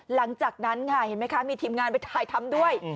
หลังจากนั้นค่ะเห็นไหมคะมีทีมงานไปถ่ายทำด้วย